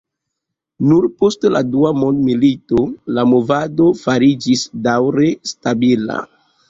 Nur post la dua mondmilito la movado fariĝis daŭre stabila.